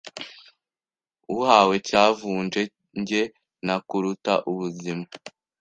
Uhawe Cyavunje jye nakuruta ubuzima